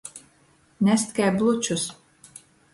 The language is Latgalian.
Nest kai blučus.